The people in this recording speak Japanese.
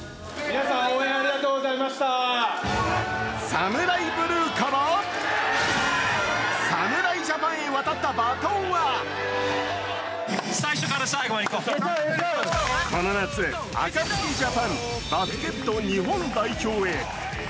ＳＡＭＵＲＡＩＢＬＵＥから、侍ジャパンへ渡ったバトンはこの夏、ＡＫＡＴＳＵＫＩＪＡＰＡＮバスケット日本代表へ！